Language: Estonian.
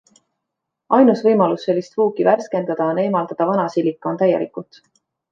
Ainus võimalus sellist vuuki värskendada, on eemaldada vana silikoon täielikult.